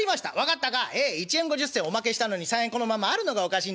「ええ１円５０銭おまけしたのに３円このままあるのがおかしいんですね。